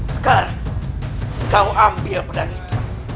sekarang kau ambil pedang itu